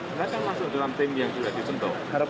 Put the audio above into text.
mereka masuk dalam tim yang sudah dibentuk